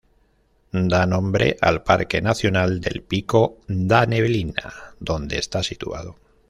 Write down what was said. Da nombre al Parque nacional del Pico da Neblina, donde está situado.